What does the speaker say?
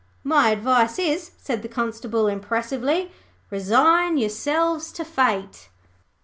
'My advice is,' said the Constable, impressively, 'resign yourselves to Fate.'